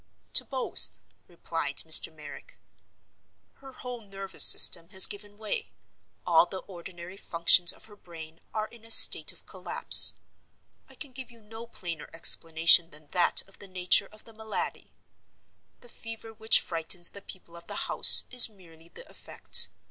"To both," replied Mr. Merrick. "Her whole nervous system has given way; all the ordinary functions of her brain are in a state of collapse. I can give you no plainer explanation than that of the nature of the malady. The fever which frightens the people of the house is merely the effect.